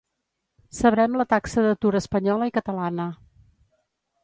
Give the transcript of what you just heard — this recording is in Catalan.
sabrem la taxa d'atur espanyola i catalana